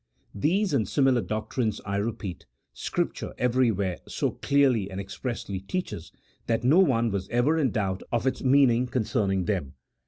These and similar doc trines, I repeat, Scripture everywhere so clearly and ex pressly teaches, that no one was ever in doubt of its mean ing concerning them.